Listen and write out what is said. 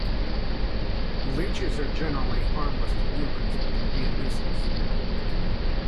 The leeches are generally harmless to humans but can be a nuisance.